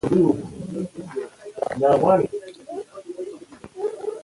پوټاشیم برومیټ د سرطان خطر زیاتوي.